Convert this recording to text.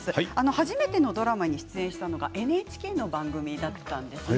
初めてのドラマに出演したのがＮＨＫの番組だったんですね。